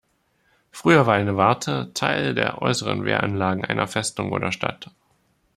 Früher war eine Warte Teil der äußeren Wehranlagen einer Festung oder Stadt.